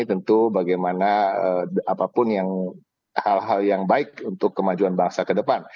tentu bagaimana apapun yang hal hal yang baik untuk kemajuan bangsa ke depan